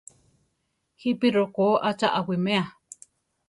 ¿Jípi rokó a cha awimea?